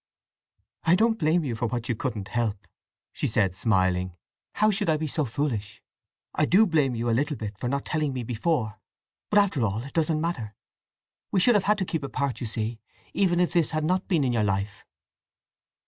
"I don't blame you for what you couldn't help," she said, smiling. "How should I be so foolish? I do blame you a little bit for not telling me before. But, after all, it doesn't matter. We should have had to keep apart, you see, even if this had not been in your life."